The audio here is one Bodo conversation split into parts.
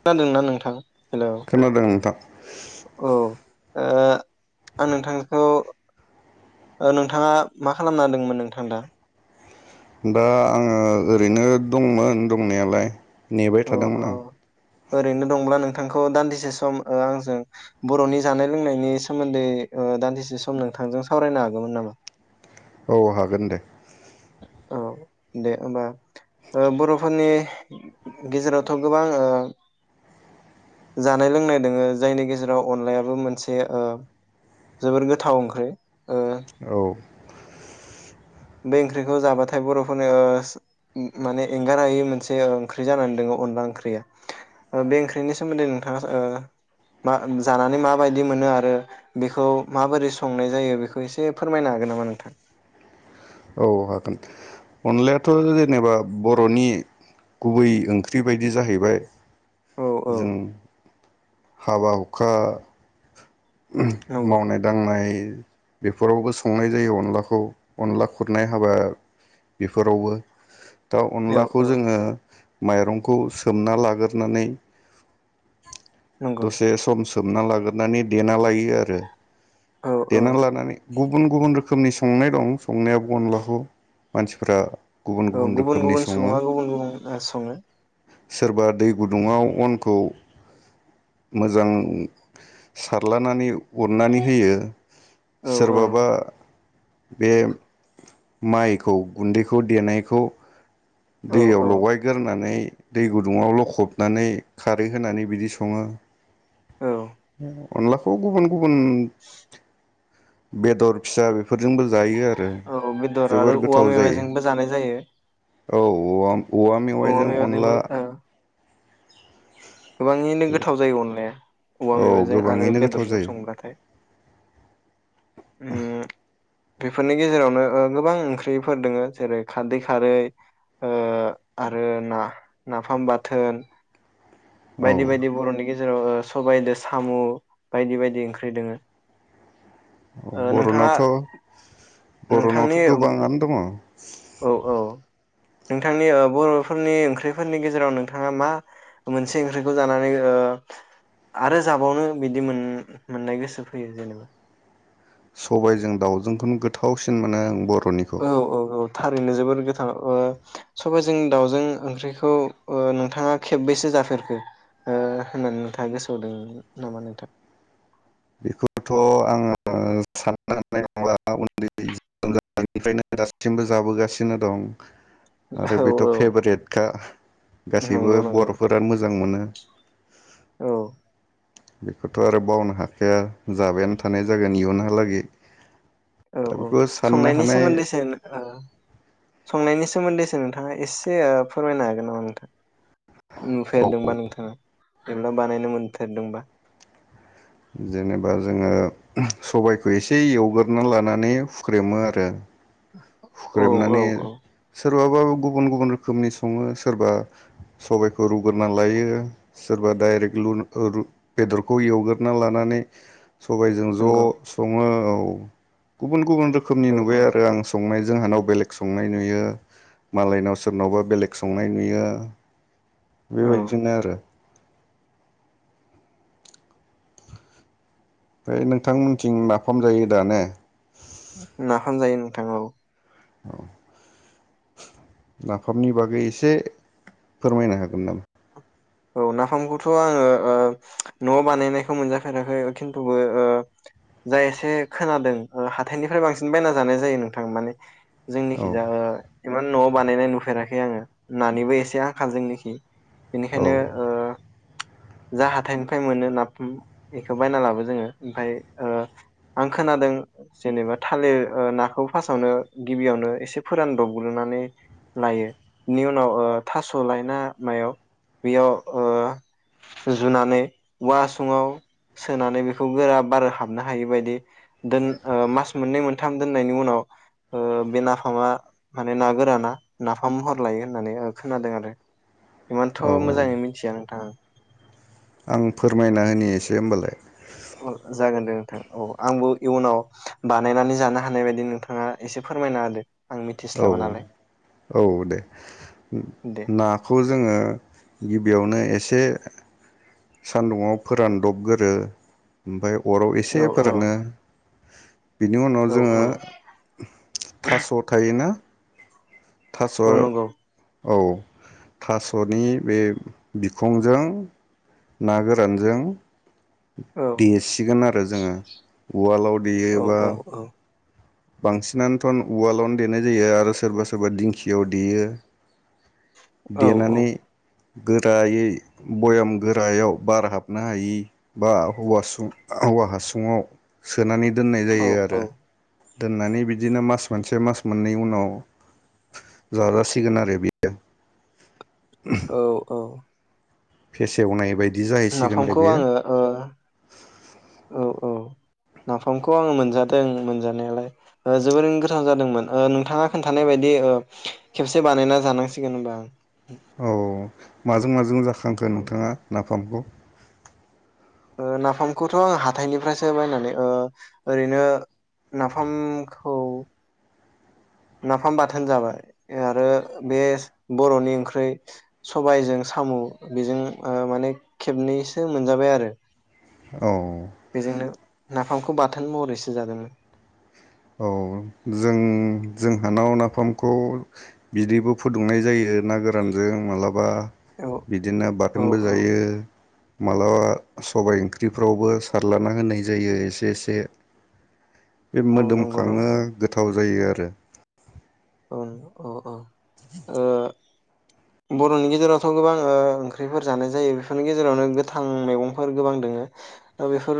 खोनादोंना नोंथां हेलौ औ। खोनादों नोंथां ओ आं नोंथांखौ ओ नोंथाङा मा खालामना दोंमोन नोंथां दा? दा आङो ओरैनो दंमोन दंनायालाय। नेबाय अ अ थादोंमोन आं। ओरैनो दंब्ला नोंथांखौ दान्दिसे सम ओ आंजों बर'नि जानाय लोंनायनि सोमोन्दै ओ दान्दिसे सम नोंथांजों सावरायनो हागौमोन नामा? औ हागोन दे। औ दे होमबा ओ बर'फोरनि गेजेरावथ' गोबां ओ जानाय लोंनाय दोङो जायनि गेजेराव अनलायाबो मोनसे ओ जोबोर गोथाव ओंख्रै। औ। [inaudible] बे ओंख्रिखौ जाबाथाय बर'फोरनो माने एंगारायै मोनसे ओंख्रि जानानै दोङो अनला ओंख्रिया बे ओंख्रिनि सोमोन्दै नोंथाङा ओ मा जानानै माबायदि मोनो आरो बेखौ माबोरै संनाय जायो बेखौ एसे फोरमायनो हागोन नामा नोंथां? औ हागोन अनलायाथ' जेनेबा बर'नि गुबै ओंख्रि बायदि जाहैबाय। औ औ जों हाबा हुखा नंगौ मावनाय दांनाय बेफोरावबो संनाय जायो अनलाखौ अनला खुरनाय हाबा बेफोरावबो दा औ अनलाखौ औ जोङो माइरंखौ सोमना लागोरनानै नंगौ दसे सम सोमना लागोन नानै देना लायो आरो। औ औ देना लानानै गुबुन गुबुन रोखोमनि संनाय दं संनाया अनलाखौ मानसिफ्रा गुबुन औ गुबुन रोखोमनि गुबुन सङो सुबुङा गुबुन गुबुन ओ सङो। सोरबा दै गुदुङाव अनखौ मोजां सारलानानै उननानै होयो। औ औ सोरबाबा बे माइखौ गुन्दैखौ देनायखौ औ दैयाव औ लगायगोरनानै दै गुदुङाव लखबनानै खारै होनानै बिदि सङो औ अनलाखौ गुबुन गुबुन बेदर फिसा बेफोरजोंबो जायो आरो। औ बेदर आरो जोबोर औवा गोथाव जायो मेवाइजोंबो जानाय जायो। औ औव औवा मेवाइजों अनला मेवाइजोंबो ओ गोबाङैनो जोबोर गोथाव जायो अनलाया। औवा औ मेवाइजों आरो गोबाङैनो गोथाव बेदरजों जायो संब्लाथाय। ओम। बेफोरनि गेजेरावनो ओ गोबां ओंख्रिफोर दङो जेरै खारदै खारै आरो ना, नाफाम बाथोन औ बायदि बायदि बर'नि गेजेर जेराव सबायाइदों साम बायदि बायदि ओंख्रि दोङो ओ नोंथाङा बर'नावथ' नोंथांनि बर'नावथ' गोबाङानो दङ। औ औ नोंथांनि बर'फोरनि ओंख्रिफोरनि गेजेराव नोंथाङा मा मोनसे ओंख्रैखौ ओ जानानै आरो जाबावनो बिदि मोननाय गोसो फैयो जेनेबा सबायाइजों दाउजोंखौनो गोथावसिन मोनो आं बर' औ औ औ। थारैनो जोबोर गोथां सबाइजों दाउजों ओंख्रिखौ नोंथाङा खेबबैसो जाफेरखो होननानै नोंथाङा गोसोआवदों नामा नोंथां? बेखौथ' आङो साननो ना उन्दैनिफ्रायनो दासिमबो जाबोगासिनो दं। आरो औ बेथ' औ फेभारेटखा गासैबो नंगौ बर नंगौ फोरा मोजां मोनो। [unintelligible] औ। बेखौथ' आरो बावनो हा खाया जाबायानो थानाय जागोन इयुनहालागै औ दा औ बेखौ साननो संनायनि हानाय सोमोन्दै सो ओ संनायनि सोमोन्दैसो नोंथाङा एसे फोरमायनो हागोन नामा नोंथां? औ नुफेरदोंबा नोंथाङा? [unintelligible] बानायनो मोनफेरदोंबा। जेनेबा जोङो ओम सबायखौ एसे एवगोरना लानानै हुख्रेमो आरो औ औ हुख्रेमनानै औ सोर बाबा गुबुन गुबुन रोखोमनि सङो सोरबा सबायखौ रुग्रोना लायो सोरबा डाइरेक्ट लु-रु-बेदरखौ एवगोरना लानानै। सबायाइजों ज नंगौ सङो औ औ गुबन गुबुन रोखोमनि औ नुबाय औ आरो आं संनाय जोंहानाव बेलेग संनाय नुयो मालायनाव सोरनावबा बेलेग संनाय नुयो। औ बेबायदिनो आरो। बे नों। थांमोननिथिं नाफाम जायो दा ने? [inaudible] नाफाम जायो नोंथां औ। नाफामनि बागै एसे फोरमायनो हागोन नामा? औ नाफामखौथ' आङो ओ नआव बानायनायखौ मोनजाफेराखै खिन्थुबो ओ जाय एसे खोनादों ओ हाथाइनिफ्राय बांसिन बायना जानाय जायो नोंथां माने औ जोंनिखिजा इमान न'आव बानायनाय नुफेराखै आङो नानिबो एसे आखाल जोंनिखि। औ बेखायनो ओ जा हाथाइनिफ्राय मोनो नाफाम इखो बायना लाबो जोङो ओमफाय ओ आं खोनादों जेनेबा थालिर ओ नाखौ फास्टआवनो गिबियावनो एसे फोरानदबग्रोनानै लायो इनि उनाव ओ थास लाय ना मायाव। बेयाव ओ जुनानै औवा हासुङाव सोनानै बेखौ गोरा बार हाबनो हायि बायदि दोन-ओ मास मोननै मोनथाम दोननायनि उनाव ओ बे नाफामा माने ना गोराना नाफाम महर लायो होननानै खोनादों आरो एमान थ' औ मोजाङै मिथिया नोंथां। आं फोरमायना होनि एसे ओमबालाय। औ जागोन दे नोंथां औ। आंबो इयुनाव बानायनानै जानो हानाय बायदि नोंथाङा एसे फोरमायना होदो। आं औ मिथिस्लाबा नालाय औ औ औ दे। दे नाखौ जोङो गिबियावनो एसे सान्दुंङाव फोरानदब गोरो ओमफ्राय अरआव एसे औ औ फोरानो। [inaudible] बिनि उनाव औ जोङो औ थास' थायोना थास' औ नंगौ औ थास'नि बे बिखंजों ना गोरानजों औ देसिगोन आरो जोङो उवालाव औ देयोबा औ औ बांसिनानोथ' उवालावनो देनाय जायो आरो सोरबा सोरबा दिंखियाव देयो। औ औ देनानै गोरायै बयाम गोरायाव बार हाबनो हायि बा हौवासुं औवा हासुुङाव सोनानै दोननाय औ जायो आरो। दोननानै बिदिनो मास मोनसे मास मोननै उनाव जाजासिगोन आरो बियो। औ औ फेसेवनाय बायदि जाहैसिगोन आरो नाफामखौ बेयो आङो ओ औ औ नाफामखौ आङो मोनजादों मोनजानायालाय ओ जोबोरै गोथाव जादोंमोन। ओ नोंथाङा खोन्थानाय बायदि ओ खेबसे बानायना जानांसिगोन होनबा आं। औ माजों माजों जा खांखो औ नोंथाङा नाफामखौ? ओ नाफामखौथ' आं हाथाइनिफ्रायसो बायनानै ओ ओरैनो नाफामखौ नाफाम बाथोन जाबाय आरो बे बर'नि ओंख्रि सबायाइजों साम' बेजों माने खेबनैसो मोनजाबाय आरो। औ बेजोंनो ना नाफामखौ बाथोन महरैसो जादोंमोन। औ जों जोंहानाव नाफामखौ बिदैबो फुदुंनाय जायो ना गोरानजों माब्लाबा औ बिदिनो औ बाथोनबो औ जायो मालाबा सबाय ओंख्रिफ्रावबो सारलाना होनाय जायो एसे एसे बे औ मोदोम नंगौ नामा खांयो गोथाव जायो आरो। रो उ अ अ ओ बर'नि गेजेरावथ' गोबां ओ ओंख्रिफोर जानाय जायो बेफोरनि गेजेरावनो गोथां मैगंफोर गोबां दोङो बेफोर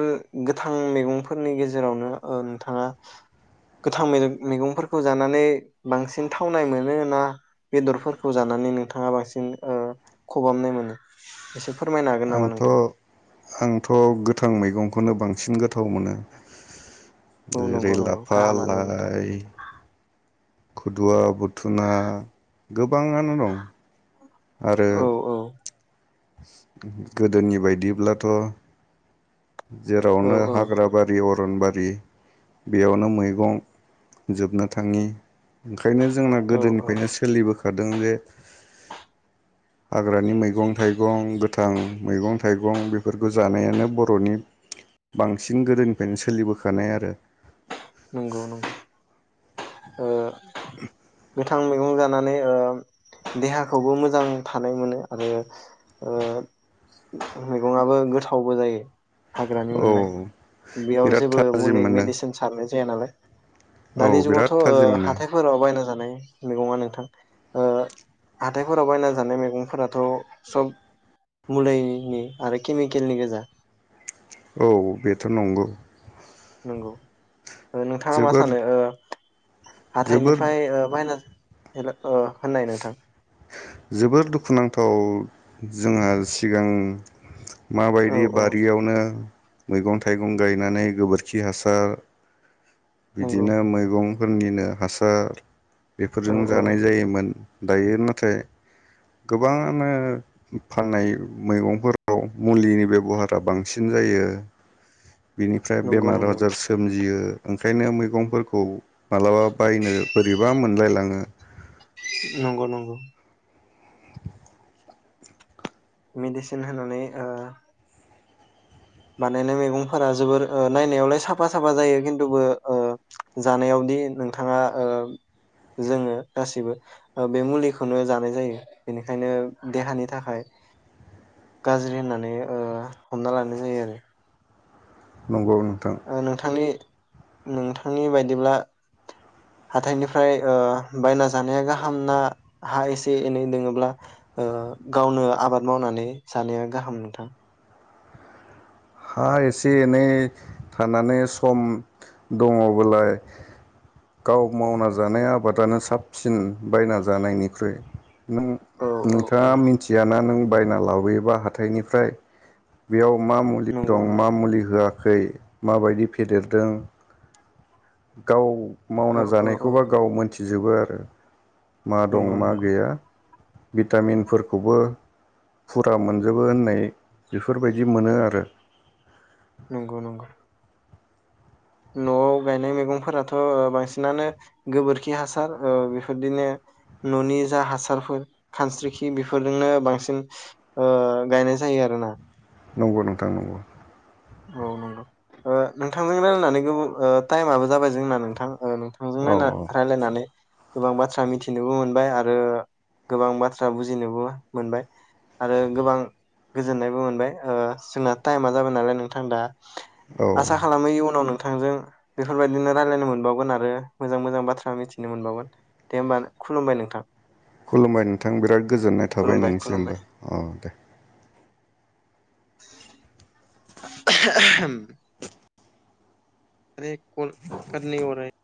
गोथां मैगंफोरनि गेजेरावनो ओ नोंथाङा गोथां मे-मैगंफोरखौ जानानै बांसिन थावनाय मोनो ना बेदरफोरखौ जानानै नोंथाङा बांसिन ओ खबामनाय मोनो? एसे फोरमायनो हागोन नामा नोंथां? आंथ-आंथ गोथां मैगं खौनो बांसिन गोथाव मोनो। औ नंगौ जेरै नंगौ लाफा गाहामानो नोंथां लाइ खुदुवा बुथुना गोबाङानो दं। आरो औ औ गोदोनि बायदिब्लाथ' औ जेरावनो औ हाग्राबारि अर रनबारि बेयावनो मैगं जोबनो थाङि ओंखायनो जोंना औ औ गोदोनिफ्रायनो सोलिबोखा खादों जे हाग्रानि मैगं थाइगं गोथां मैगं थाइगं बेफोरखौ जानायानो बर'नि बांसिन गोदोनिफ्रायनो सोलिबोखानाय आरो। नंगौ नं [inaudible] गोथां मैगं जानानै ओ देहाखौबो मोजां थानाय मोनो आरो ओ मैगंआबो गोथावबो जायो। हाग्रानि औ मोननाय बेयाव बिराद जेबो थाजिम मुलि मोनो मेडिसिन सारनाय जाया नालाय औ दानि बिराद जुगावथ' ओ थाजिम मोनो हाथायफोराव बायना जानाय मैगंआ नोंथां ओ हाथायफोराव बायना जानाय मैगंफोराथ' सब मुलैनि आरो केमिकेलनि गोजा औ बेथ' नंगौ। नंगौ नोंथाङा मा जोबोर सानो? ओ जोबोर हाथाइनिफ्राय ओ बायनाज हेल ओ होननाय नोंथां जोबोर दुखुनांथाव जोंहा सिगां औ माबायदि औ बारियावनो मैगं थाइगं गायनानै गोबोरखि हासार नंगौ बिदिनो मैगं फोरनिनो हासार औ बेफोरजों औ जानाय जायोमोन दायो नाथाय गोबाङानो फाननाय मैगंफोराव मुलिनि बेबहारा बांसिन जायो। बिनिफ्राय नंगौ बेमार नंगौ आजार सोमजियो ओंखायनो मैगंफोरखौ मालाबा बायनो बोरैबा मोनलायलाङो। नंगौ नंगौ। मेडिसिन होनानै ओ बानायनाय मैगंफोरा जोबोर ओ नायनायावलाय साफा साफा जायो खिन्थुबो ओ जानायावदि नोंथाङा ओ जोङो गासिबो बे मुलिखौनो जानाय जायो। बेनिखायनो देहानि थाखाय गाज्रि होननानै ओ हमना लानाय जायो आरो। [unintelligible] नंगौ। नोंथां ओ नोंथांनि नोंथांनि बायदिब्ला हाथाइनिफ्राय बायना जानाया गाहाम ना हा एसे एनै दोङोब्ला ओ गावनो आबाद मावनानै जानाया गाहाम नोंथां? हा एसे एनै थानानै सम दङ'बोलाय गाव मावना जानाय आबादानो साबसिन बायना जानायनिख्रुइ। नों औ औ औ नोंथाङा मिथियाना नों बायना लाबोयोबा हाथायनिफ्राय बेयाव मा मु नंगौ दं मा मुलि होआ खै माबायदि फेदेरदों गाव औ मावना औ औ जानायखौबा गाव मोनथि जोबो आरो। मा दं नंगौ मा नंगौ गैया। भिटामिनफोरखौबो फुरा मोनजोबो होननाय बेफोरबायदि मोनो आरो। नंगौ नंगौ। न'आव गायनाय मैगंफोराथ' बांसिनानो गोबोरखि हासार ओ बेफोरदिनो न'नि जा हासारफोर खानस्रिखि बेफोरजोंनो बांसिन ओ गायनाय जायो आरोना। नंगौ नोंथां नंगौ। औ नंगौ ओ नोंथांजों रायज्लायनानै गो ओ टाइमआबो जाबाय जोंना नोंथां ओ नोंथांजों औ नायना रायलायनानै। गोबां बाथ्रा मिथिनोबो मोनबाय आरो गोबां बाथ्रा बुजिनोबो मोनबाय आरो गोबां गोजोननायबो मोनबाय ओ जोंना टाइमा जाबाय नालाय नोंथां थां दा औ आसा खालामो इयुनाव नों थांजों बेफोरबायदिनो रायलायनो मोनबावगोन आरो मोजां मोजां बाथ्रा मिथिनो मोनबावगोन दे होमबा खुलुमबाय नोंथां। खुलुमबाय नोंथां बिराद गोजोननाय थाबाय खुलुमबाय नोंनिसिमबो औ दे। [inaudible] रे कल खाट नहीं हो रहा है।